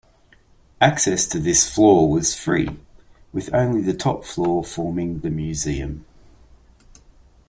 Access to this floor was free, with only the top floor forming the museum.